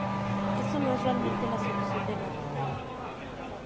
Eso no es realmente la solución de nada.